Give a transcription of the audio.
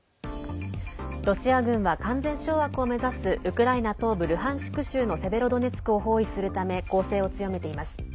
ロシア軍は完全掌握を目指すウクライナ東部ルハンシク州のセベロドネツクを包囲するため攻勢を強めています。